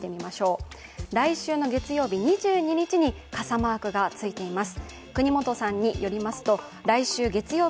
来週の月曜日２２日に傘マークがついています。